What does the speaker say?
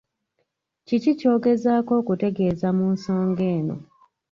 Kiki ky’ogezaako okutegeeza mu nsonga eno?